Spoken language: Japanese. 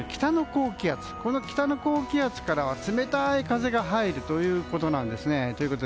北の高気圧からは冷たい風が入るということなんですね。